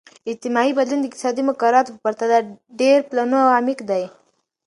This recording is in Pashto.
اجتماعي بدلون د اقتصادي مقرراتو په پرتله ډیر پلنو او عمیق دی.